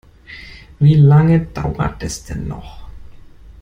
Wie lange dauert es denn noch?